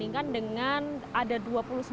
jika kita berpikir pikir jumlahnya berbeda